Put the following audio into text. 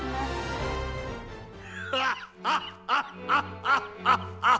ハッハッハッハハッハッハ！